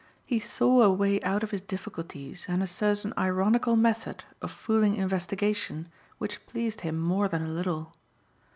He saw a way out of his difficulties and a certain ironical method of fooling investigation which pleased him more than a little.